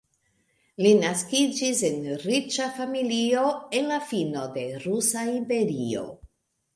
Li naskiĝis en riĉa familio en la fino de Rusa Imperio.